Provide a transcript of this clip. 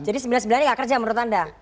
jadi sembilan sembilannya gak kerja menurut anda